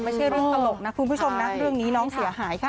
ไม่ใช่เรื่องตลกนะคุณผู้ชมนะเรื่องนี้น้องเสียหายค่ะ